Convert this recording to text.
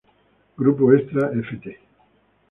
Grupo Extra ft.